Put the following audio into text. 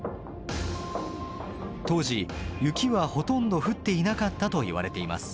当時雪はほとんど降っていなかったといわれています。